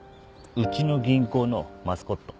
うちの銀行のマスコット。